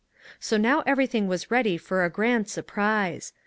So now everything was ready for a grand sur prise.